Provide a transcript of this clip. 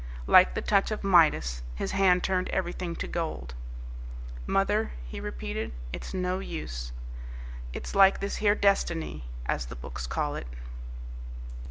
Like the touch of Midas, his hand turned everything to gold. "Mother," he repeated, "it's no use. It's like this here Destiny, as the books call it."